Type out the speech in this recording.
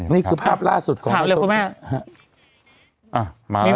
นี่คือภาพล่าสุดของถามเลยครับคุณแม่อ่ะมาแล้วนะครับ